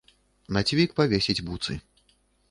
На цвік павесіць буцы.